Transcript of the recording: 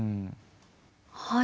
はい。